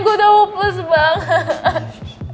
gue udah hopeless banget